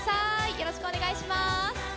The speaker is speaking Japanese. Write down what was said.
よろしくお願いします。